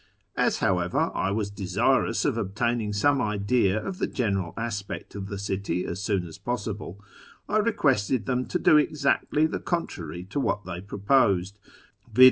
As, however, I was desirous of obtaining some idea of the general aspect of the city as soon as possible, I requested them to do exactly the contrary to what they proposed, viz.